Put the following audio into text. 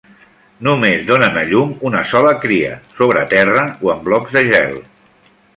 Només donen a llum una sola cria, sobre terra o en blocs de gel.